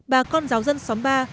bà con giáo dân xóm ba